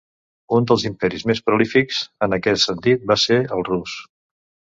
Un dels imperis més prolífics en aquest sentit va ser el rus.